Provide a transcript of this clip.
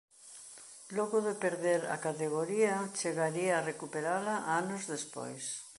Logo de perder a categoría chegaría a recuperala anos despois.